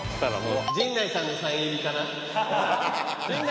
陣内さんのサイン入りかな？